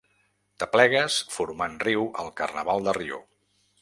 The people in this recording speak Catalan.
T'aplegues formant riu al carnaval de Rio.